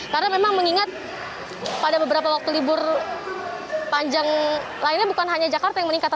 karena memang mengingat pada beberapa waktu libur panjang lainnya bukan hanya jakarta yang meningkat